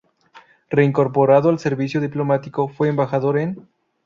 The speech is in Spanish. Reincorporado al servicio diplomático, fue embajador en.